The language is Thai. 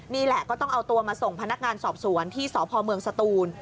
นี่แหละก็ต้องเอาตัวมาส่งพนักงานสอบสวนที่สพเมืองสตูน